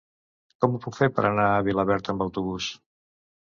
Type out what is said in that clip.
Com ho puc fer per anar a Vilaverd amb autobús?